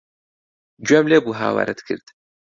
گوێم لێ بوو هاوارت کرد.